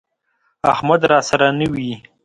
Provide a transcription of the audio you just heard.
احمد راسره نه وي،